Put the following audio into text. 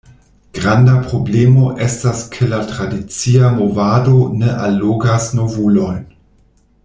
Granda problemo estas ke la tradicia movado ne allogas novulojn.